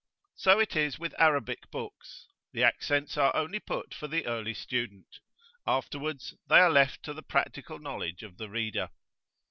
So it is with Arabic books, the accents are only put for the early student; afterwards, they are left to the practical knowledge of the reader.